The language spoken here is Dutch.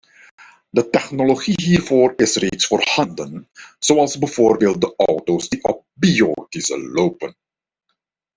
De technologie hiervoor is reeds voorhanden, zoals bijvoorbeeld de auto's die op biodiesel lopen.